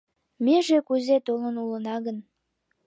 Меже кузе толын улына гын